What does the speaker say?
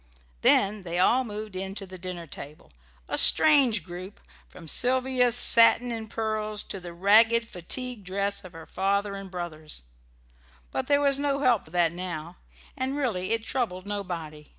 Then they all moved in to the dinner table a strange group, from Sylvia's satin and pearls to the ragged fatigue dress of her father and brothers; but there was no help for that now, and really it troubled nobody.